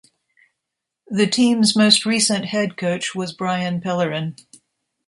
The team's most recent head coach was Brian Pellerin.